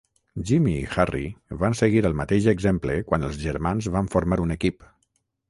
Jimmy i Harry van seguir el mateix exemple quan els germans van formar un equip.